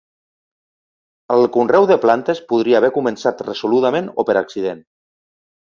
El conreu de plantes podria haver començat resoludament o per accident.